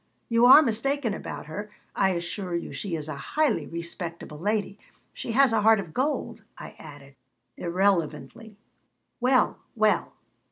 You are mistaken about her. I assure you she is a highly respectable lady. She has a heart of gold," I added, irrelevantly "Well, well!